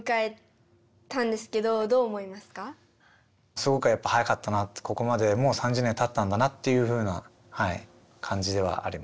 すごくやっぱ早かったなとここまでもう３０年たったんだなっていうふうな感じではあります。